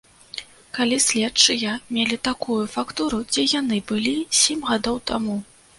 Калі следчыя мелі такую фактуру, дзе яны былі сем гадоў таму?